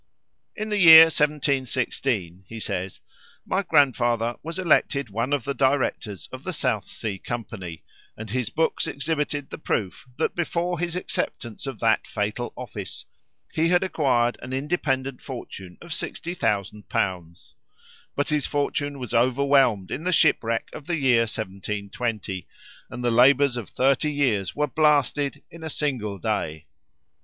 "In the year 1716," he says, "my grandfather was elected one of the directors of the South Sea company, and his books exhibited the proof that before his acceptance of that fatal office, he had acquired an independent fortune of 60,000l. But his fortune was overwhelmed in the shipwreck of the year 1720, and the labours of thirty years were blasted in a single day.